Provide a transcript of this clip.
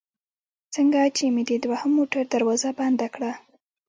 څنګه چې مې د دوهم موټر دروازه بنده کړل.